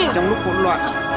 trong lúc bộn loạn